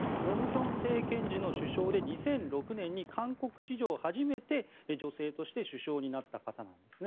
盧武鉉政権時の首相で２００６年に韓国史上初めて女性として首相になった方なんですね。